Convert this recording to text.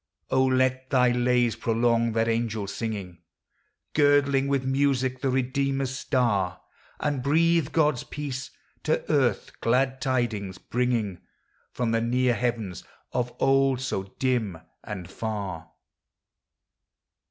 O, let thy lays prolong that angel singing, Girdling with music the Redeemer's star, And breathe God's peace, to earth "glad tidings" bringing From the near heavens, of old so dim and far